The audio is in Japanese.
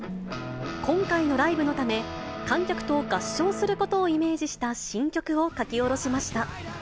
今回のライブのため、観客と合唱することをイメージした新曲を書き下ろしました。